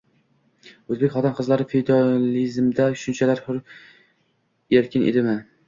O’zbek xotin-qizlari feodalizmda shunchalar... hur-erkin edimi?»